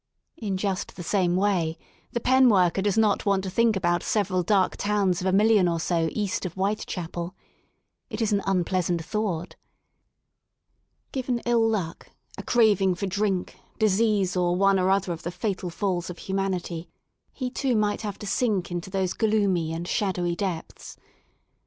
In just the same way the pen worker does not want to think about several dark towns of a million or so east of *' WhitechapeL" It is an unpleasant thought. Given ill luck, a craving for drink, disease or one or other of the fatal falls of humanity, he too might have to sink into those gloomy and shadowy depths.